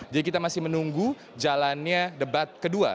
jadi kita masih menunggu jalannya debat kedua